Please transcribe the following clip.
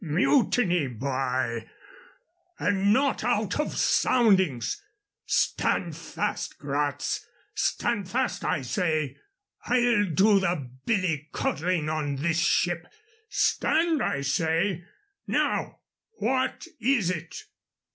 "Mutiny, by , and not hout of soundings! Stand fast, Gratz! Stand fast, I say! Hi'll do the billy coddling on this ship. Stand, I say! Now, what is it?"